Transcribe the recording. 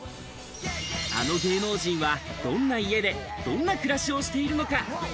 あの芸能人はどんな家で、どんな暮らしをしているのか。